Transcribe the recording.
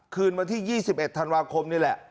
คืนวันที่๒๑ธันวาคมนี่แหละ